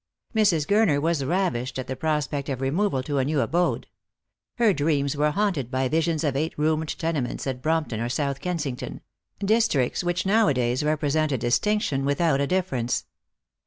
Mrs. Gurner was ravished at the prospect of removal to a new abode. Her dreams were haunted by visions of eight roomed tenements at Brompton or South Kensington — dis tricts which nowadays represent a distinction without a differ ence.